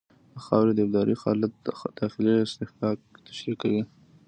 د خاورې د ابدارۍ حالت داخلي اصطکاک تشریح کوي